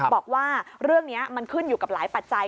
บอกว่าเรื่องนี้มันขึ้นอยู่กับหลายปัจจัย